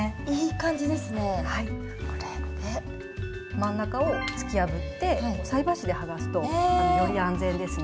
真ん中を突き破って菜箸ではがすとより安全ですね。